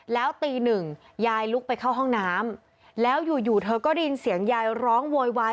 แล้วตีหนึ่งยายลุกไปเข้าห้องน้ำแล้วอยู่เธอก็ได้ยินเสียงยายร้องโวยวาย